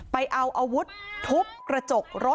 ไปเอาอาวุธทุบกระจกรถ